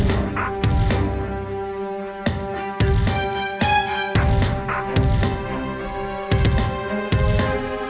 didi tidak sakuki ke sekon